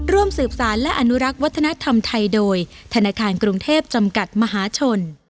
ร่วมสืบสารและอนุรักษ์วัฒนธรรมไทยโดยธนาคารกรุงเทพจำกัดมหาชน